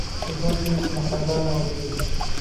که ټوکې وي نو خندا نه ورکېږي.